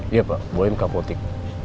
iya pak boim ke apotek